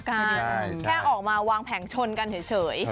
แค่ออกมาวางแผงชนกันเฉย